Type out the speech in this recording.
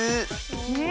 ねえ。